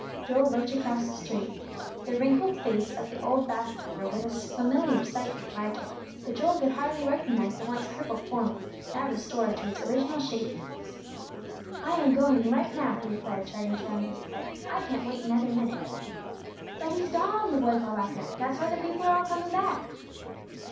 Joel looked across the street. The wrinkled face of the old basket weaver was a familiar sight in the market; but Joel could hardly recognize the once crippled form, now restored to its original shapeliness. "I am going right now," he declared, starting to run in his excitement. "I can't wait another minute." "But he's gone!" the boy called after him. "That's why the people are all coming back."